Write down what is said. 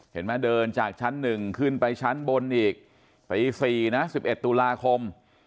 เห็นไหมเดินจากชั้น๑ขึ้นไปชั้นบนอีกตี๔นะ๑๑ตุลาคม